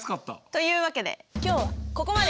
というわけで今日はここまで！